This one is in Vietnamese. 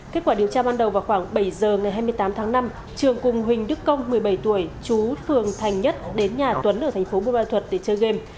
kết quả điều tra ban đầu vào khoảng bảy giờ ngày hai mươi tám tháng năm trường cùng huỳnh đức công một mươi bảy tuổi chú phường thành nhất đến nhà tuấn ở thành phố bùa ma thuật để chơi game